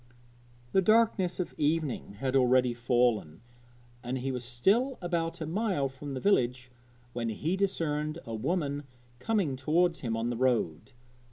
The darkness of evening had already fallen, and he was still about a mile from the village when he discerned a woman coming towards him on the road.